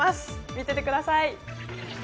見ていてください。